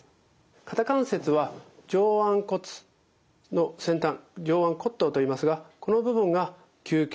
肩関節は上腕骨の先端上腕骨頭といいますがこの部分が球形。